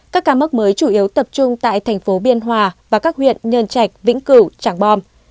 các ca mất mới chủ yếu tập trung tại tp biên hòa và các huyện nhân trạch vĩnh cửu tràng bom